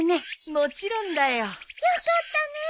もちろんだよ。よかったね。